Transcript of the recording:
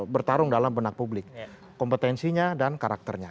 bertarung dalam benak publik kompetensinya dan karakternya